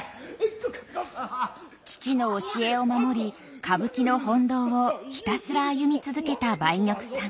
父の教えを守り歌舞伎の本道をひたすら歩み続けた梅玉さん。